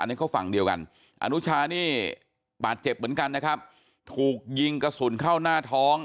อันนี้ก็ฝั่งเดียวกันอนุชานี่บาดเจ็บเหมือนกันนะครับถูกยิงกระสุนเข้าหน้าท้อง